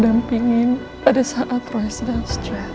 tante pengen pada saat roy sedang stress